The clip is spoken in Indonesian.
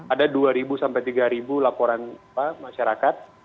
ada dua ribu tiga ribu laporan masyarakat